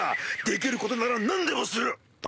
できることなら何でもする！